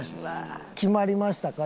決まりましたか？